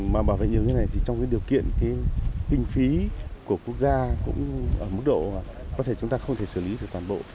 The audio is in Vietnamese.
mà bảo vệ nhiều như thế này thì trong điều kiện tinh phí của quốc gia cũng ở mức độ có thể chúng ta không thể xử lý được toàn bộ